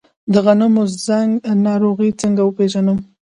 د غنمو زنګ ناروغي څنګه وپیژنم؟